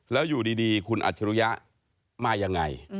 แล้วอยู่ดีคุณอัจฉริยะมายังไง